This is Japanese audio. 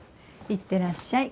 行ってらっしゃい。